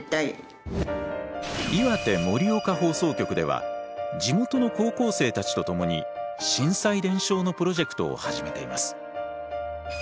岩手盛岡放送局では地元の高校生たちと共に震災伝承のプロジェクトを始めています。